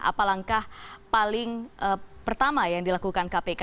apa langkah paling pertama yang dilakukan kpk